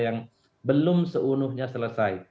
yang belum seunuhnya selesai